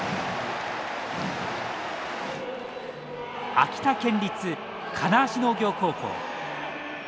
秋田県立金足農業高校。